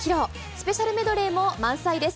スペシャルメドレーも満載です。